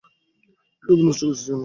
সময় নষ্ট করছিস কেন?